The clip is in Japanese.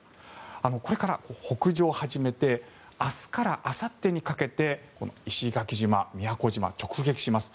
これから北上を始めて明日からあさってにかけて石垣島、宮古島を直撃します。